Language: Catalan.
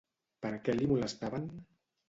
Per què li molestaven?